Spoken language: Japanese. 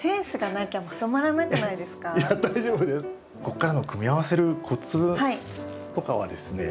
ここからの組み合わせるコツとかはですね